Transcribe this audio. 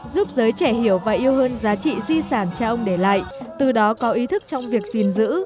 giúp giới trẻ hiểu và yêu hơn giá trị di sản cha ông để lại từ đó có ý thức trong việc gìn giữ